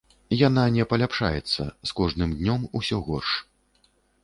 Яна не паляпшаецца, з кожным днём усё горш.